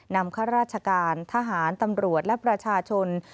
ข้าราชการทหารตำรวจและประชาชน